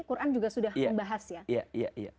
quran juga sudah membahas ya